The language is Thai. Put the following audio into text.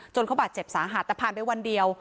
เขาบาดเจ็บสาหัสแต่ผ่านไปวันเดียว